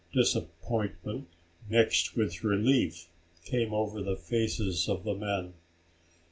Disappointment, mixed with relief, came over the faces of the men.